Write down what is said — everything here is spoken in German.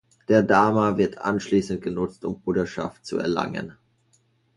Der Dharma wird anschließend genutzt um Buddhaschaft zu erlangen.